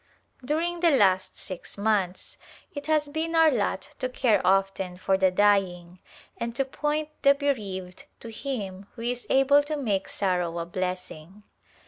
During the last six months it has been our lot to care often for the dying and to point the bereaved to Him who is able to make sorrow a blessing.